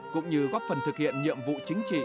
cũng như góp phần thực hiện nhiệm vụ chính trị